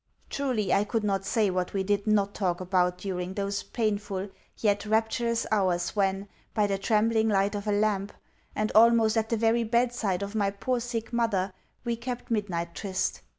Truly I could not say what we did not talk about during those painful, yet rapturous, hours when, by the trembling light of a lamp, and almost at the very bedside of my poor sick mother, we kept midnight tryst.